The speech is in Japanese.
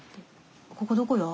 「ここどこや？